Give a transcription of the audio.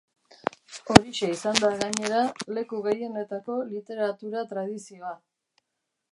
Horixe izan da, gainera, leku gehienetako literatura tradizioa.